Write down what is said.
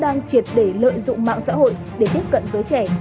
đang triệt để lợi dụng mạng xã hội để tiếp cận giới trẻ